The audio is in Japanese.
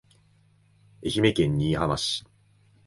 愛媛県新居浜市